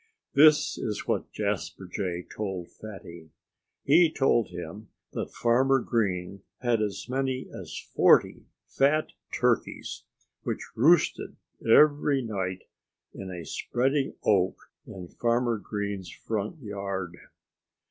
This is what Jasper Jay told Fatty: he told him that Farmer Green had as many as forty fat turkeys, which roosted every night in a spreading oak in Farmer Green's front yard.